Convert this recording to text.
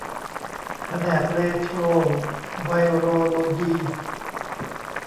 แผนกเรโทรไวโรโลยี